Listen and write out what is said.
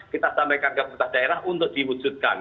kita tambahkan ke komunitas daerah untuk diwujudkan